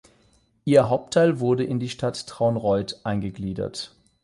Ihr Hauptteil wurde in die Stadt Traunreut eingegliedert.